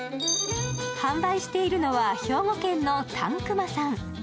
販売しているのは兵庫県の但熊さん。